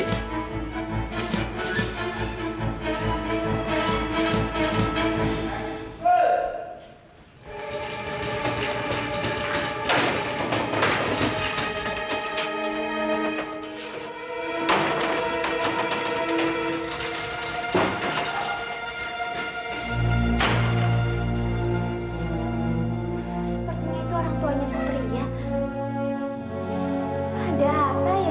sepertinya itu orang tuanya santri ya